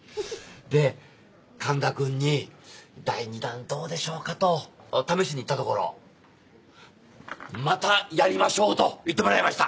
で環田君に「第２弾どうでしょうか？」と試しに言ったところ「またやりましょう」と言ってもらえました！